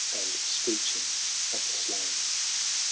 And screeching of the slain.